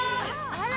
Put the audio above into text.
あら！